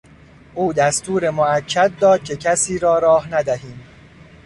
او دستور موکد داد که کسی را راه ندهیم.